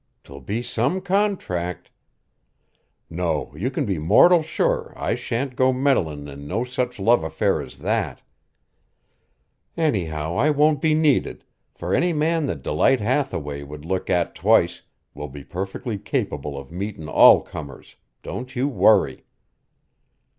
'Twill be some contract. No, you can be mortal sure I shan't go meddlin' in no such love affair as that. Anyhow, I won't be needed, for any man that Delight Hathaway would look at twice will be perfectly capable of meetin' all comers; don't you worry."